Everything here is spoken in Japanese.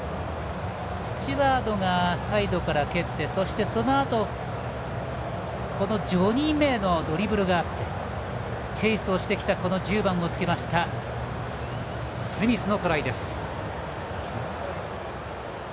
スチュワードがサイドから蹴ってそして、そのあとジョニー・メイのドリブルがあってチェイスをしてきた１０番をつけたスミスのトライ。